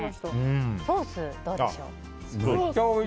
ソースどうでしょう？